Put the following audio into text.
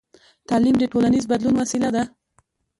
تعلیم د ټولنیز بدلون وسیله ده.